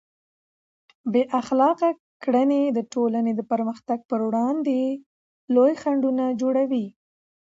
بې اخلاقه کړنې د ټولنې د پرمختګ پر وړاندې لوی خنډونه جوړوي.